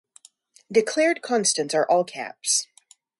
Declared constants are all caps.